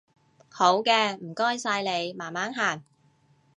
好嘅，唔該晒你，慢慢行